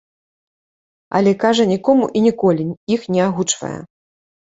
Але, кажа, нікому і ніколі іх не агучвае.